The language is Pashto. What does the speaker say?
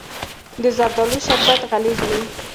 د زردالو شربت غلیظ وي.